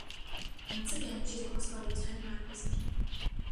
Once again, she lost by a ten-round decision.